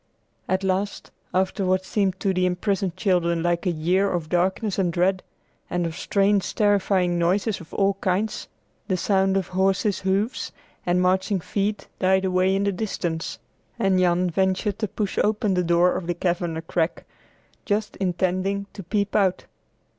At last, after what seemed to the imprisoned children like a year of darkness and dread, and of strange, terrifying noises of all kinds, the sound of horses' hoofs and marching feet died away in the distance, and Jan ventured to push open the door of the cavern a crack, just intending to peep out.